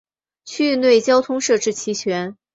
区域内交通设置齐全。